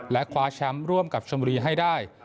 และคว้าแชมป์ร่วมกับชมบุรีให้ได้